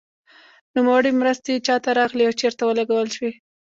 نوموړې مرستې چا ته راغلې او چیرته ولګول شوې.